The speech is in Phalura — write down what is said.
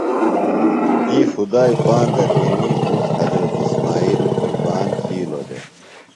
تی خدائی پاندہ تیݨی پُتر حضرت اسمئیل قربان تِھیلوۡ دےۡ۔